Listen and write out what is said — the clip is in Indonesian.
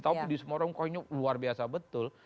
tapi di semua orang konyol luar biasa betul